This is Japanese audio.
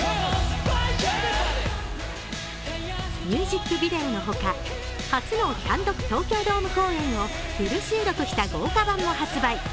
ミュージックビデオのほか初の単独東京ドーム公演をフル収録した豪華版も発売。